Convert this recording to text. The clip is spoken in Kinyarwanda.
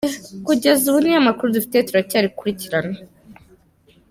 Kugeza ubu niyo makuru dufite, turacyakurikirana.